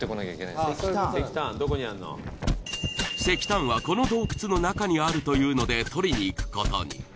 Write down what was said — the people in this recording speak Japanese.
石炭はこの洞窟の中にあるというので取りに行くことに。